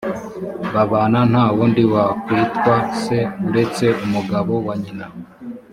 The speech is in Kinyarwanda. babana nta wundi wakwitwa se uretse umugabo wa nyina